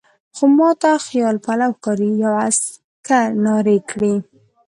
خو ما ته خیال پلو ښکاري، یوه عسکر نارې کړې.